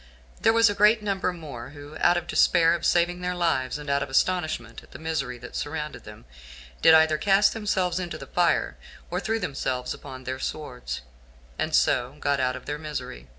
There was a great number more, who, out of despair of saving their lives, and out of astonishment at the misery that surrounded them, did either cast themselves into the fire, or threw themselves upon their swords, and so got out of their misery.